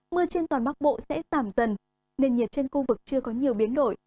mưa trên toàn bắc bộ sẽ giảm dần nền nhiệt trên khu vực chưa có nhiều biến đổi